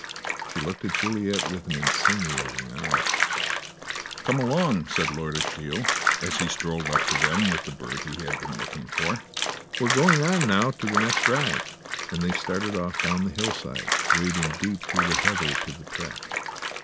She looked at Juliet with an insinuating eye. "Come along," said Lord Ashiel, as he strolled up to them with a bird he had been looking for, "we're going on now to the next drive," and they started off down the hillside, wading deep through the heather to the track.